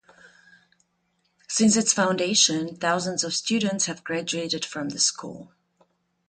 Since its foundation thousands of students have graduated from the school.